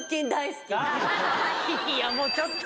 いいよもうちょっと。